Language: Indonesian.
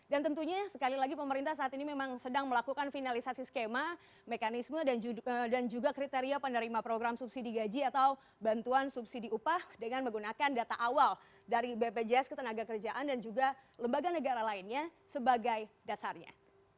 tentunya sekali lagi pemerintah saat ini memang sedang melakukan finalisasi skema mekanisme dan juga kriteria penerima program subsidi gaji atau bantuan subsidi upah dengan menggunakan data awal dari bpjs ketenaga kerjaan dan juga lembaga negara lainnya sebagai dasarnya